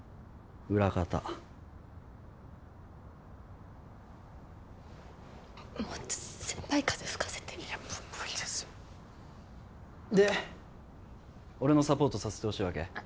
裏方もっと先輩風吹かせていや無理ですよで俺のサポートさせてほしいわけ？